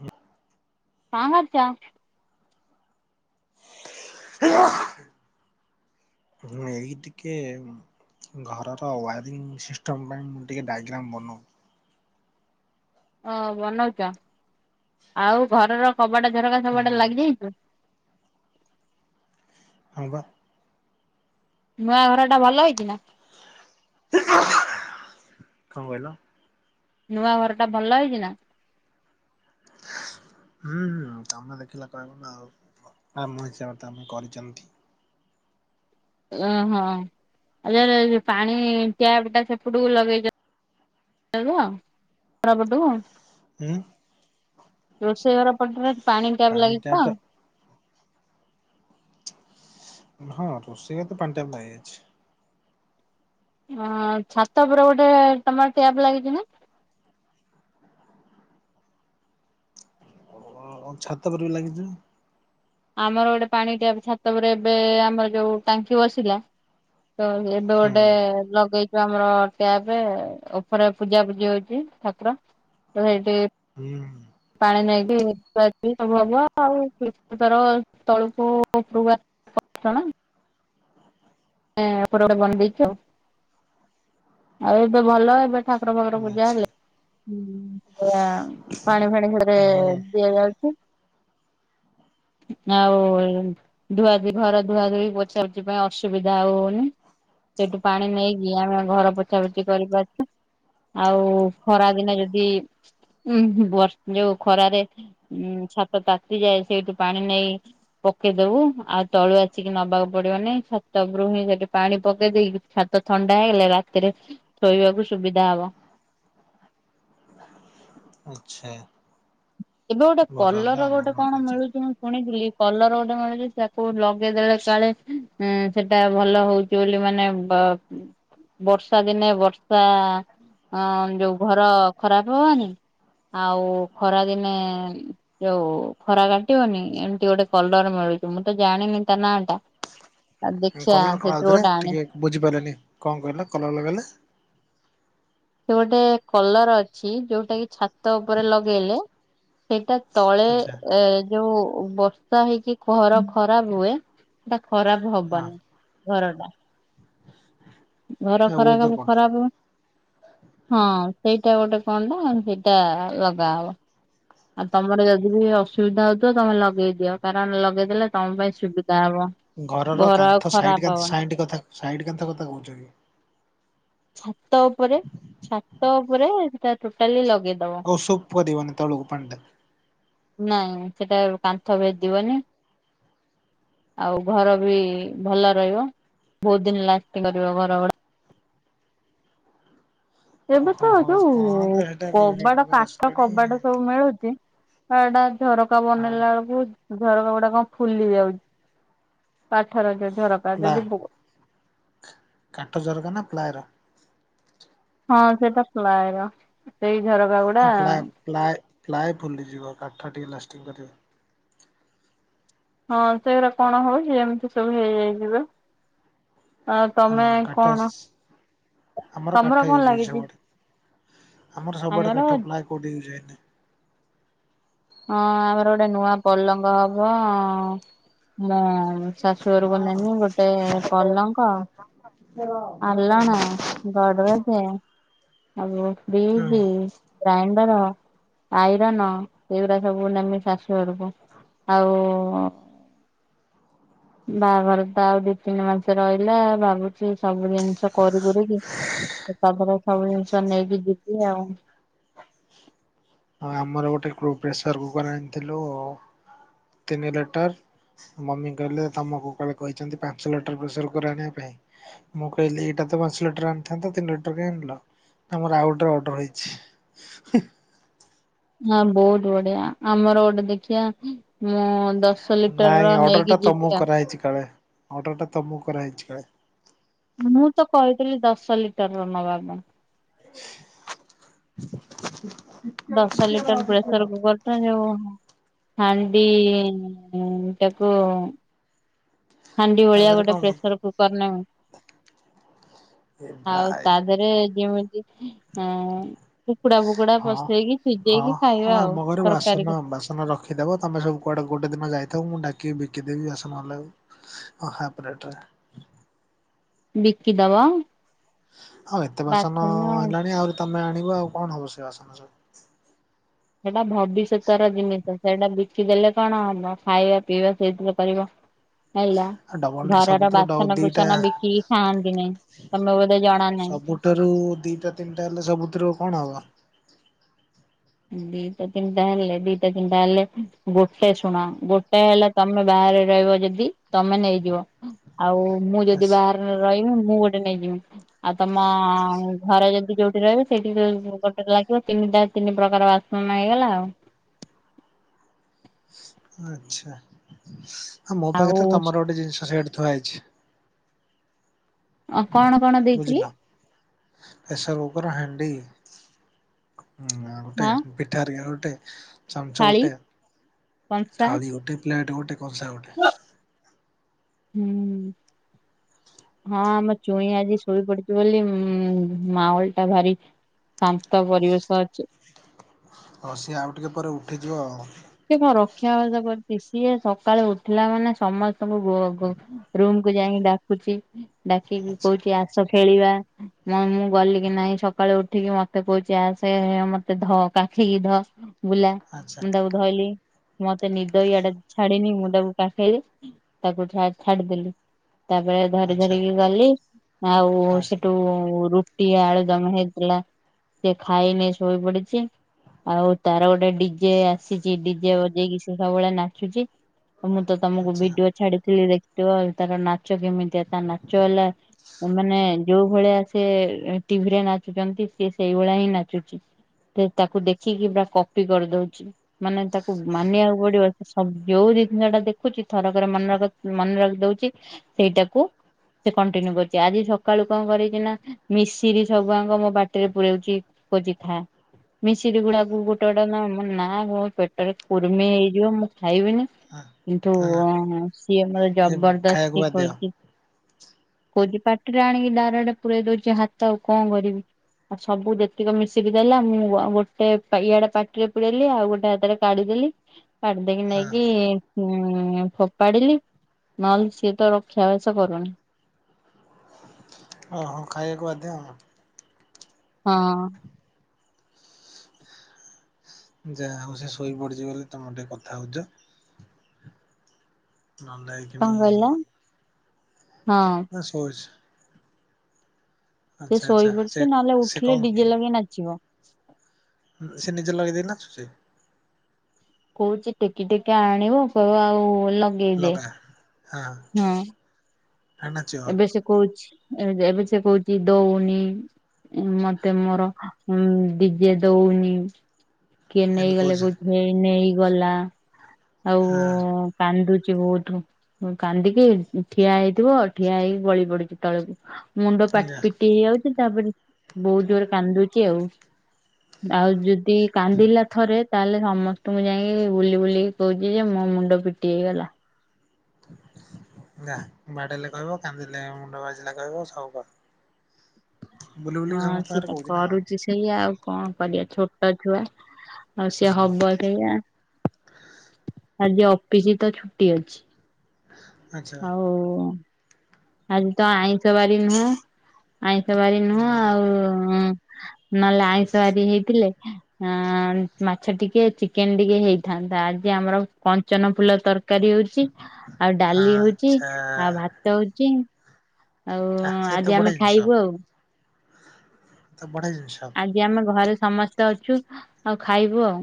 ହଁ ହଁ ହଁ ପ୍ଲାଣ୍ଟ ହଁ ଏ ଇ ଟିକେ ଘରର ୱାରିଂ ସିଷ୍ଟମ୍ ପାଇଁ ମୁଁ ଟିକେ ଡାଇଗ୍ରାମ୍ ବନାଉ ହ ବନାଉଛ ଆଉ ଘରର କବାଟା ଝରକା ସବୁଆଡ଼େ ଲାଗିଯାଇଛୁ ହବା ନୂଆ ଘର ଟା ଭଲ ହେଇ ଚୀନା କଣ କହିଲ? ନୂଆ ଘର ଟା ଭଲ ହେଇଛି ନା? ହୁଁ ତମେ ଦେଖିଲେ କହିବ ନା ଆଉ। ଆମ ହିସାବରେ ତ ଆମେ କରିଛନ୍ତି। ଓ ହଁ [unintelligible] ପାଣି ଟ୍ୟାପ ଟା ସେପୁଟୁକୁ ଲଗେଇ ଦିଅ। [unintelligible] ରୁହ। ହୁଁ ରୋଷେଇ ଘର ପଟରେ ପାଣି ଟ୍ୟାପ୍ ଲାଗିଛି ଟ୍ୟାପ ତ? ଟା ହଁ ରୋଷେଇଘରେ ତ ପାଣି ଟ୍ୟାପ୍ ନାଇଁ ଅଛି। ଅଁ ଛାତ ଉପରେ ଗୋଟେ ତମର୍ ଟ୍ୟାପ୍ ଲାଗିଛି ନା? ହଁ ଅଂ ଛାତ ପରେ ବି ଲାଗିଛି। ଆମର ଗୋଟେ ପାଣି ଟ୍ୟାପ୍ ଛାତ ଉପରେ ଏବେ, ଆମର ଯୋଉ ଟାଙ୍କି ବସିଲା ତ ଏବେ ହୁଁ ଗୋଟେ ଲଗେଇ ଯୋ ଆମର ଟ୍ୟାପ୍ ରେ ଉପରେ ପୂଜା ପୂଜି ହଉଛି, ଠାକୁର, ସେଇଠି ହୁଁମ୍ ପାଣି ନେଇକିି ଥୁଆ ଥୁଇ ସବୁ ହବ, ଆଉ କ୍ଲିପି ତାର ତଳକୁ ଉପରକୁ ଆସ୍ ପକ୍ ଚଣାମ୍। ଏଁ ଏପଟେ ଗୋଟେ ବନ୍ ଦେଇଚ। ଆଉ ଏବେ ଭଲ ଏବେ ଠାକୁର ଫାକୁର ପୂଜା ଆଚ୍ଛା ହେଲେ ହୁଁ ଯେ ପାଣି ଫାଣି ଘରେ ହୁଁ ଦିଆଯାଉଛି। ଆଉ ଧୁଆ ଧୁଇ ଘର ଧୁଆ ଧୁଇ ପୋଛା ପୋଛି ପାଇଁ ଅସ୍ ସୁବିଧା ଆଉ ହଉନି। ସେଠୁ ପାଣି ନେଇକି ଆମେ ଘର ପୋଛାପୋଛି କରିପାରଛୁ। ଆଉ ଖରା ଦିନେ ଯଦି ଉଁହ୍ ବର୍ଷ୍ ଯୋଉ ଖରାରେ ଉଁ ଛାତ ତାତିଯାଏ, ସେଇଠୁ ପାଣି ନେଇ ପକେଇଦବୁ ଆଉ ତଳୁ ଆସିକି ନବାକୁ ପଡ଼ିବନି ଛା ସବ୍ ରୁମ୍ ହିଁ ସେଠି ପାଣି ପକେଇ ଦେଇକି, ଛାତ ଥଣ୍ଡା ହେଇଗଲେ, ରାତିରେ ଶୋଇବାକୁ ସୁବିଧା ହବ। ଆଚ୍ଛା। ଏବେ ଗୋଟେ ଭଲ ହେଲା କଲର ଆଉ ଗୋଟେ ନୂଆ କଣ କରିଛ ମିଳୁଛି। ଶୁଣିଥିଲି, କଲର ଗୋଟେ ମିଳୁଛି ତାକୁ ଲଗେଇଦେଲେ କାଳେ ଉଁସେଟା ଭଲ ହଉ ଚୋଲି ମାନେ ବା ବର୍ଷା ଦିନେ ବର୍ଷା, ଅଁ ଯୋଉ ଘର ଖରାପ ହବନି? ଆଉ ଖରାଦିନେ ଯୋଉ ଖରା କାଟିବନି। ଏମିତି ଗୋଟେ କଲର ମିଳୁଛି ମୁଁ ତ ଜାଣିନି ତା ନାଁ ଟା। ଆ ଦେଖିଆ ସେଇଥିରୁ ଗୋଟେ ଆଣେ। ବୁଝିପାରିଲେନି। କଣ କହିଲ କଲର ଲଗେଇଲା? ସେ ଗୋଟେ କଲର ଅଛି। ଯୋଉଟା କି ଛାତ ଉପରେ ଲଗେଇଲେ, ସେଇଟା ତଳେ ଆଚ୍ଛା ଏ ଯୋଉ ବର୍ଷା ହେଇକି ଘର ଖରାପ ହୁଏ। ସେଟା ଖରାପ ହବନି। ଘରଟା। ଘର ହଁ ଖରା ୱେଦର [unintelligible] କଣ? ଖରାପ ହୁଏ। ହଁ। ସେଇଟା ଗୋଟେ କଣ ଟା, ସେଇଟା ଲଗା ହବ। ଆଉ ତମର ଯଦି ବି ଅସୁବିଧା ହଉଥିବ ତମେ ଲଗେଇ ଦିଅ। କାରଣ, ଲଗେଇଦେଲେ ତମ ପାଇଁ ସୁବିଧା ହବ। ଘର ର ଆଉ କାନ୍ଥ ସାଇଟ୍ ଖରାପ କାନ୍ ହବନି ସାଇଟ୍ କଥା ସାଇଟ୍ କାନ୍ଥ କଥା କହୁଚି ଛାତ ଉପରେ ଛାତ ଉପରେ ସେଟା ଟୋଟାଲି ଲଗେଇ ହଉ ସୁପ୍ ପଡ଼ିବନି ତଳକୁ ପାଣ୍ ଟା। ନାଇଁ ସେଟା ଉ କାନ୍ଥ ଭେଦିବନି। ଆଉ ଘର ବି ଭଲ ରହିବ, ବହୁତ ଦିନ ଲାଷ୍ଟିଂ କରିବ ଘର ଗଢ଼ା। ଏବେ ତ ଓହୋ ହୋ ଯୋଉ ହଁ ତ ସେଇଟା ବିଭିନ୍ନ କବାଟ ପ୍ରକାର କାଠ ଆସିଲାଣି କବାଟ ସବୁ ମିଳୁଛି ଅ ଏଟା ଝରକା ହଁ। ବନେଇଲା ବେଳକୁ ଝରକା ଗୁଡାକ ଫୁଲି ଯାଉଛି। କାଠର ଯୋଉ ଝରକା ପ୍ଲା ଯଦି ଭ କାଠ ଝରକା ନା ପ୍ଲାଏର? ହଁ ସେଟା ପ୍ଲାଏର, ସେଇ ଝରକା ଗୁଡା ହଁ ପ୍ଲାଏ ପ୍ଲାଏ ପ୍ଲାଏ ଫୁଲିଯିବ, କାଠ ଟିକେ ଲାଷ୍ଟିଙ୍ଗ କରିବ। ହଁ ସେଗୁଡ଼ା କଣ ହଉଛି ଏମିତି ସବୁ ହେଇଯାଇଚିବ। ଆଉ ତମେ ହଁ କାଠ କଣ ଆମର କାଠ ତମର କଣ ୟୁଜ୍ ହେଇଛି ଲାଗିଛି। ସବୁଆଡେ। ଆମର ସବୁଆଡେ କାଠପ୍ଲାଏ କୋଉଠି ୟୁଜ୍ ହେଇନି। ହଁ ଆମର ଗୋଟେ ନୂଆ ପଲଙ୍ଗ ହବ ହଁ ମୁଁ ହଁ ଶାଶୁଘରକୁ ହଁ ନେମି ଗୋଟେ ପଲଙ୍କ। [unintelligible] ଆଲଣ, ଗଦ୍ରେଜ୍ ଆଉ ଫ୍ରିଜ। ଗ୍ରାଇଣ୍ଡର ଆଇରନ୍ ଏଗୁରାସବୁ ନେମି ଶାଶୁ ଘରକୁ ଆଉ। ବାହାଘର ତ ଆଉ ଦୁଇ ତିନି ମାସ ରହିଲା ଭାବୁଛି ସବୁ ଜିନିଷ କରି କରିକି ଏକାଥରେ ସବୁ ଜିନିଷ ନେଇକି ଯିବି ଆଉ। ଆଉ ଆମର ଗୋଟେ କୁ ପ୍ରେସର କୁକର ଆଣିଥିଲୁ ତିନି ଲିଟର। ମମି କହିଲେ ତମକୁ କୁଆଡେ କହିଛନ୍ତି ପାଞ୍ଚ ଲିଟର ପ୍ରେସର କୁକର ଆଣିବା ପାଇଁ। ମୁଁ କହିଲି ଏଇଟା ତ ପାଞ୍ଚ ଲିଟର ଆଣିଥାନ୍ତା ତିନି ଲିଟର କାଇଁ ଆଣିଲ। ଆମର ଆଉ ଗୋଟେ ଅର୍ଡର ହେଇଛି। ହଁ ବହୁତ ବଢିଆ ଆମର ଗୋଟେ ଦେଖିଆ ମୁଁ ଦଶ ଲିଟର ର ନାଇଁ ଅର୍ଡର ନେଇକି ଟା ଯିବି ଆଉ ତମକୁ କରାହେଇଛି କାଳେ ଅର୍ଡର ଟା ତମକୁ କରାହେଇଛି କାଳେ। ମୁଁ ତ କହିଥିଲି ଦଶ ଲିଟରର ନବାକୁ। ଟକେ ଟିକେ ରହ, ଟିକେ ରହ। ହେଲା ଯୋଉ ହାଣ୍ଡିଟାକୁ ହାଣ୍ଡି ତା ଭଳିଆ ଦେହରେ ଗୋଟେ କଣ କର ପ୍ରେସର କୁକର ନେମି। ଏ ଆଉ ଭାଇ ତା ଦେହରେ ଯେମିତି ଅ। କୁକୁଡା, ଫୁକୁଡା ହଁ। ବସେଇକି ହଁ ସିଝେଇକି ହଁ ଖାଇବା ଆମ ଆଉ ଘରେ ବାସନ ତରକାରୀରେ। ବାସନ ରଖିଦବ ତମେ ସବୁ କୁଆଡେ ଗୋଟେ ଦିନ ଯାଇଥାିବ ମୁଁ ଡାକିିକି ବିକିଦେବି ଆସିଲାବେଳକୁ। ଓ ହାପ ରେଟରେ। ବିକିଦବ? ଆଉ ଏତେ ବାସନ ହେଲାଣି ଆହୁରି ତମେ ଆଣିବ ଆଉ କଣ ହବ ସେ ବାସନ ସବୁ। ସେଇଟା ଭବିଷ୍ୟତର ଜିନିଷ। ସେଇଟା ବିକିଦେଲେ କଣ ହବ ଖାଇବା ପିଇବା ସେଇଥିରେ କରିବ ହେଲା। ଆଉ ଡବଲ ଘରର ସବୁଥିରୁ ଡ ବାସନ, ଦିଟା କୁସନ ବିକିକି ଖାଆନ୍ତିନାଇଁ ତମେ ବୋଧେ ଜଣା ନାହିଁ। ଗୋଟେ ରୁ ଦିଇଟା ତିନିଟା ହେଲେ ସବୁଥିରୁ କଣ ହବ। ଦିଟା ତିନିଟା ହେଲେ ଦିଟା ତିନିଟା ହେଲେ ଗୋଟେ ଶୁଣ ଗୋଟେ ହେଲା। ତମେ ବାହାରେ ରହିବ ଯଦି ତମେ ନେଇଯିବ ଆଉ ମୁଁ ଯଦି ଆଛା ବାହାରେ ରହିମି ମୁଁ ଗୋଟେ ନେଇଯିମି ଆଉ ତମ ଘରେ ଯଦି ଯୋଉଠି ରହିବେ ସେଠି ତ୍ ଉଁ ଗୋଟେରେ ଲାଗିବ ତିନିଟା ତିନି ପ୍ରକାର ବାସନ ହେଇଗଲା ଆଉ। ଆଛା ମୋ ପାଖରେ ଆଉ ତ ତମର ଗୋଟେ ଜିନିଷ ସେଠ ଥୁଆ ହେଇଛି। ଅ କଣ କଣ ଦେଇଥିଲି। ପ୍ରେସର୍ କୁକର୍, ହାଣ୍ଡିଁ ଆଉ ଗୋଟେ ହଁ ପିଠା ଖାରିକା ଗୋଟେ, ଚାମଚ ଥାଳି ଗୋଟେ, ଥାଳି ଗୋଟେ ପ୍ଲେଟ ଗୋଟେ, କଂସା ଗୋଟେ ହୁଁ, ହୁଁ। ହଁ ଆମ ଚୁଇଁ ଆଜି ଶୋଇ ପଡିଚି ବୋଲି ଉଁ-ମାହୋଲ୍ ଟା ଭାରି ଶାନ୍ତ ପରିବେଶ ଅଛି। ହ- ସିଏ ଆଉ ଟିକେ ପରେ ଉଠିଯିବ ଆଉ। ସିଏ କଣ ରକ୍ଷା [unintelligible] କରିଚି ସିଏ ସକାଳୁ ଉଠିଲା ମାନେ ସମସ୍ତେ ସବୁ ବୁ-ରୁମ୍ କୁୁ ଯାଇଁକି ଡାକୁଚି ଡାକିକି ଆଚ୍ଛା କହୁଚି ଆସ ଖେଳିବା। ମୁଁ ଗଲି କିି ନାହିଁ ସକାଳୁ ଉଠିକି ମତେ କହୁଚି ଆସେ ମତେ ଧ କାଖେଇକି ଧ। ବୁଲା ଆଚ୍ଛା ମୁଁ ତାକୁ ଧଇଲି ମତେ ନିଦ ଇଆଡେ ଛାଡିନି ମୁଁ ତାକୁ କାଖେଇଲି ତାକୁ ଛା- ଛାଡିଦେଲି। ତାପରେ ଧରି ଆଚ୍ଛା। ଧରିକି ଗଲି ଆଉ ଆଚ୍ଛା ସେଠୁ ରୁ ରୁଟି, ଆଳୁଦମ୍ ହେଇଥିଲା ସେ ଖାଇନି ଶୋଇ ପଡିଚି ଆଉ ତାର ଗୋଟେ ଡିଜେ ସେ- ସେ ଡିଜେ ବଜେଇକି ସେ ସବୁବେଳେ ନାଚୁଚି ମୁଁ ତ ତମକୁ ଆଚ୍ଛା ଭିଡିଓ ଛାଡିଥିଲି ଦେଖି ତାର ନାଚ କେମିତିଆ ତା ନାଚ ହେଲା ମାନେ ଯଉ ଭଳିଆ ସେ ଟିଭିରେ ନାଚୁଚନ୍ତି ସିଏ ସେଇଭଳିଆ ହିଁ ନାଚୁଚି। ସେ ତାକୁ ଦେଖିକି ପୁରା କପି କରିଦଉଚି। ମାନେ ତାକୁ ମାନିବାକୁ ପଡିବ ସବ୍- ଯଉ ଜିନିଷଟା ଦେଖୁଚି ଥର କରେ ମନର- ମନେ ରଖିଦଉଚି ସେଇଟାକୁ ସେ କଣ୍ଟିନ୍ୟୁ କରୁଚି ଆଜି ସକାଳୁ କଣ କରଚି ନା ମିଶିରିି ସବୁଆଙ୍କ ମୋ ପାଟିରେ ପୁରେଉଚି କହୁଚି ଖା ମିଶିରି ଗୁଡାକୁ ଗୋଟେ ଗୋଟେ ନା ନା [unintelligible] ପେଟରେ କୁର୍ମି ହେଇଯିବ ମୁଁ ଖାଇବିନି କିନ୍ତୁ ସିଏ ମୋତେ ହଁ ହଁ ଖାଇବାକୁ ଜବରଦସ୍ତି ବାଧ୍ୟ ହଁ। କରୁଚି କହୁଚି ପାଟିରେ ଆଣିକି ଡ଼ାଇରେକ୍ଟ୍ ପୁରେଇ ଦଉଚି ହାତ ଆଉ କଣ କରିବି। ଆଉ ସବୁ ଯେତିକ ମିଶିରି ଦେଲା ମୁଁ ଗୋଟେ ଇଆଡେ ପାଟିରେ ପୁରେଇଲି ଆଉ ଗୋଟେ ହା ତେରେ କାଢିଦେଲି କାଢିଦେଇକି ନେଇକି ଉଁ- ଫୋପାଡ଼ିଲି ନହେଲେ ସିଏ ତ ରକ୍ଷା ବାସ କରୁନି। ଓହୋ ଖାଇବାକୁ ବାଧ୍ୟ ଆଉ। ହଁ। ଯାହା ହଉ ସେ ଶୋଇପଡିଚି ବୋଲି ତମେ ଟିକେ କଥା ହଉଚ। ନହେଲେ କଣ କହିଲ ଏଇକ୍ଷଣି- ହଁ ସେ ଶୋଇଚି। ସେ ଶୋଇ ଆଚ୍ଛା ସେ ପଡଚି ନହେଲେ ସେ ଉଠିଲେ ଡିଜେ କଣ ଲଗେଇ ନାଚିବ। ସେ ନିଜେ ଲଗେଇ ଦେଇ ନାଚୁଚି? କହୁଚି ଟେକି ଟେକି ଆଣିବ କହିବ ଆଉ ଲ ଲଗା- ହଁ‌। ହଁ। ଏବେ ସେ କହୁଚି ଏ -ଏବେ ସେ କହୁଚି ଦଉନି। ମତେ ମର ଉଁ- ଡିଜେ ଦଉନି। କିଏ ଏମିତି ନେଇଗଲେ କହୁଛି କହୁଚି ହେ ନେଇଗଲା ଆଉ ହଁ କାନ୍ଦୁଚି ବହୁତୁ କାନ୍ଦିକି ଠିଆ ହେଇଥିବ ଠିଆ ହେଇକି ଗଳି ପଡୁଚି ତଳକୁ ମୁଣ୍ଡ ପା- ଯା ପିଟି ହେଇଯାଉଚି ତାପରେ ବହୁତ୍ ଜୋର୍ ରେ କାନ୍ଦୁଚି ଆଉ- ଆଉ ଯଦି କାନ୍ଦିଲା ଥରେ ତାହେଲେ ସମସ୍ତଙ୍କୁ ଯାଇକି ବୁଲି ବୁଲିକି କହୁଚି ଯେ ମୋ ମୁଣ୍ଡ ପିଟି ହେଇଗଲା। ଯା ବାଡେଇଲେ କହିବ କାନ୍ଦିଲେ ମୁଣ୍ଡ ବାଜିଲେ କହିବ ସବୁ କ ହଁ ସେ ଆଗରେ ତ କହୁଛି ନା କଣ କରୁଚି ସେ ସେଇଆ ଆଉ କଣ କରିବା ଛୋଟ ଛୁଆ ଆଉ ସିଏ ହୁଁ ହବ ସେଇଆ। ଆଜି ଅଫିସି ତ ଛୁଟି ଅଛି। ଆଚ୍ଛା ଆଉ। ଆଜିତ ଆଇଁଷ ବାରି ନୁହଁ ଆଇଁଷ ବାରି ନୁହଁ ନା ନା ଆଉ ଉଁ। ନହେଲେ ଆଇଁଷ ବାରି ହେଇଥିଲେ ଆଁ ମାଛ ଟିକେ ଚିକେନ ଟିକେ ହେଇ ଥାନ୍ତା ଆଜି ଆମର କଞ୍ଚନ ଫୁଲ ତର କାରୀ ହଉଛି ଆଉ ହଁ ଡାଲି ହଉଛି ଆଚ୍ଛା ଆଉ ଭାତ ହଉଛି। ଆଉ ଆଃ ଆଜି ସେତ ଆମେ ବଢିଆ ଜିନିଷ ଖାଇବୁ ଆଉ। ସେ ତ ବଢିଆ ଜିନିଷ। ଏବେ ଆମେ ଘରେ ସମସ୍ତେ ଅଛୁ ଆଉ ଖାଇବୁ ଆଉ।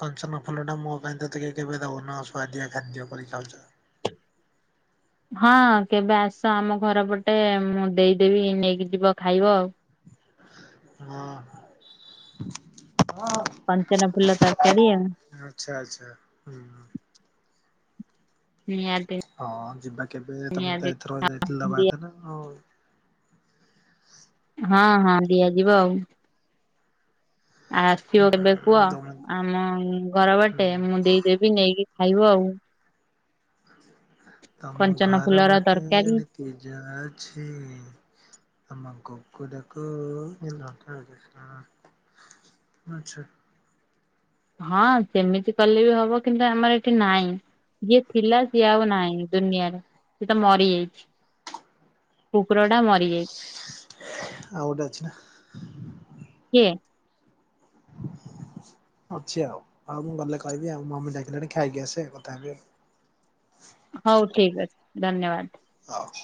କଞ୍ଚନ ଫୁଲଟା ମୋ ପାଇଁ ତ ଟିକେ କେବେ ଦଉନ ସୁୁଆଦିଆ ଖାଦ୍ୟ କରି ଖାଉଚ। ହଁ କେବେ ଆସ ଆମ ଘର ପଟେ ମୁଁ ଦେଇଦେବି ନେଇକି ଯିବ ଖାଇବ ଆଉ। ହଁ। କଞ୍ଚନ ଫୁଲ ତରକାରୀ ଆଉ। ଆଚ୍ଛା ଆଚ୍ଛା। ହୁଁ ହୁଁ। ନିହାତି। ହଁ ଯିବା କେବେ ତମେ ନିହାତି ତ ଏଥରକ ଯାଇଥିଲ ଦିଆ ବାହାଥିଲ ଆଉ। ହଁ ହଁ ଦିଆଯିବ ଆଉ। ଆଉ ଆସିବ କେବେ କୁହ ତମ ଆ ଆମ ଘର ହୁଁ ବାଟେ ମୁଁ ଦେଇଦେବି ନେଇକି ଖାଇବ ଆଉ। ତମ କଞ୍ଚନ ଘର ଫୁଲର ବାଟେ ତରକାରୀ ନିତି ଯାଉଛି। ତମ କୁକୁର କୁ ଗେଲ କରୁ ହଁ। ଆଛା। ହଁ ସେମିତି କଲେ ବି ହବ କିନ୍ତୁ ଆମର ଏଠି ନହିଁ। ଯିଏ ଥିଲା ସିଏ ଆଉ ନାହିଁ ଦୁନିଆରେ ସିଏ ତ ମରିଯାଇଛି। କୁକୁରଟା ମରି ଯାଇଛି। ଆଉ ଗୋଟେ ଅଛି ନା କିଏ। ଅଛି ଆଉ ଆଉ ମୁଁ ଗଲେ କହିବି ଆଉ ମମୀ ଡାକିଲେଣି ଖାଇକି ଆସେ କଥା ହେବି ଆଉ। ହଉ ଠିକ ଅଛି ଧନ୍ୟବାଦ। ହଉ।